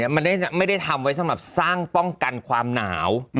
มันไม่ได้ทำไว้สำหรับสร้างป้องกันความหนาว